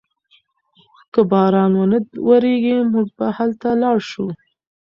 که باران و نه وریږي موږ به هلته لاړ شو.